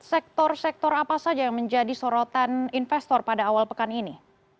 sektor sektor apa saja yang menjadi sorotan investor pada awal pekan ini